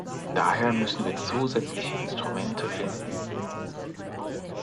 Daher müssen wir zusätzliche Instrumente finden.